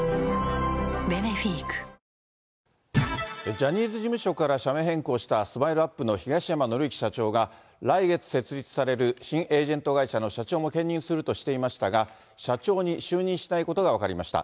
ジャニーズ事務所から社名変更したＳＭＩＬＥーＵＰ．の東山紀之社長が、来月設立される新エージェント会社の社長も兼任するとしていましたが、社長に就任しないことが分かりました。